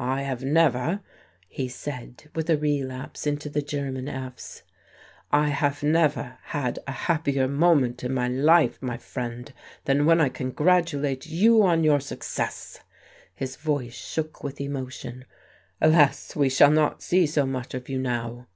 "I have never," he said, with a relapse into the German f's, "I have never had a happier moment in my life, my friend, than when I congratulate you on your success." His voice shook with emotion. "Alas, we shall not see so much of you now."